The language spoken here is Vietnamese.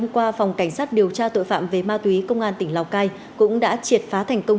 qua phòng cảnh sát điều tra tội phạm về ma túy công an tỉnh lào cai cũng đã triệt phá thành công